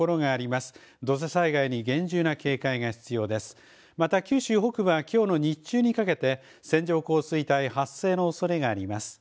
また九州北部はきょうの日中にかけて、線状降水帯発生のおそれがあります。